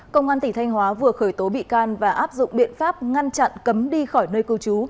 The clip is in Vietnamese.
công an tỉnh thanh hóa vừa khởi tố bị can và áp dụng biện pháp ngăn chặn cấm đi khỏi nơi cư trú